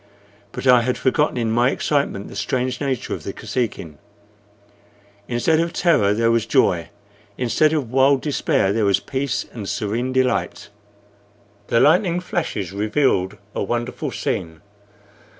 But I had forgotten in my excitement the strange nature of the Kosekin. Instead of terror there was joy, instead of wild despair there was peace and serene delight. The lightning flashes revealed a wonderful scene.